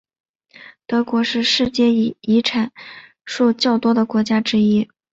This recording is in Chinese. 德国是世界遗产数较多的国家之一。